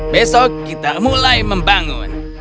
besok kita mulai membangun